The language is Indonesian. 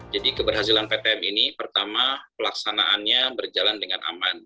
keberhasilan ptm ini pertama pelaksanaannya berjalan dengan aman